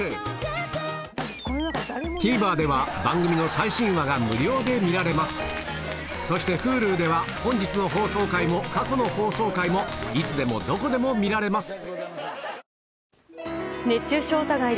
ＴＶｅｒでは番組の最新話が無料で見られますそしてＨｕｌｕでは本日の放送回も過去の放送回もいつでもどこでも見られます